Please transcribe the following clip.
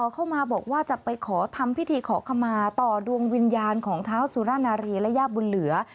เข้ามาบอกว่าจะไปขอทำพิธีขอขมาต่อดวงวิญญาณของเท้าสุรนารีและย่าบุญเหลือ